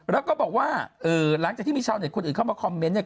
แล้วก็บอกว่าหลังจากที่มีชาวเน็ตคนอื่นเข้ามาคอมเมนต์เนี่ย